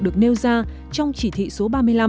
được nêu ra trong chỉ thị số ba mươi năm